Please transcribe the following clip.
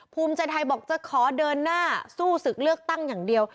ภูมิใจไทยบอกจะขอเดินหน้าสู้ศึกเลือกตั้งอย่างเดียว